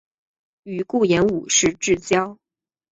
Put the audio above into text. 与顾炎武是至交。